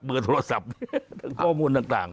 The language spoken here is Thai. เบอร์โทรศัพท์ข้อมูลต่าง